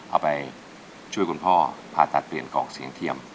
เอาไปช่วยคุณพ่อผ่าตัดเปลี่ยนกล่องเสียงเทียม